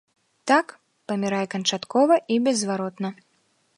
Так, памірае канчаткова і беззваротна.